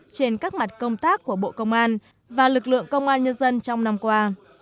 trên các mặt công tác của bộ công an và lực lượng công an nhân dân trong năm qua